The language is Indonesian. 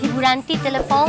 ibu ranti telepon